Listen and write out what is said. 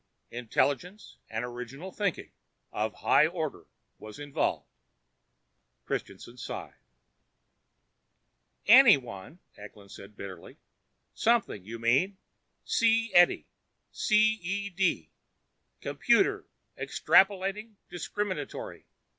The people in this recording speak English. Intelligence and original thinking of a high order was involved." Christianson sighed. "Some_one_," Eklund said bitterly. "Some thing you mean. C. Edie C.E.D. Computer, Extrapolating, Discriminatory.